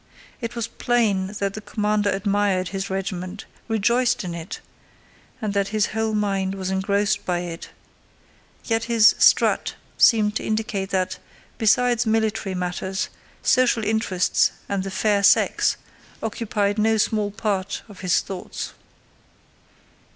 It was plain that the commander admired his regiment, rejoiced in it, and that his whole mind was engrossed by it, yet his strut seemed to indicate that, besides military matters, social interests and the fair sex occupied no small part of his thoughts.